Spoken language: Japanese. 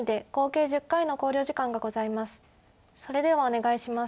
それではお願いします。